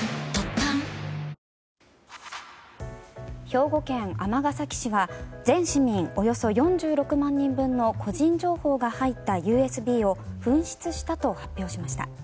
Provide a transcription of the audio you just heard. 兵庫県尼崎市が全市民およそ４６万人分の個人情報が入ったＵＳＢを紛失したと発表しました。